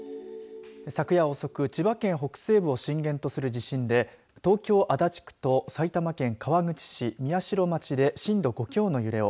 昨夜遅く千葉県北西部を震源とする地震で東京、足立区と埼玉県川口市宮代町で震度５強の揺れを。